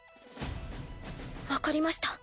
分かりました。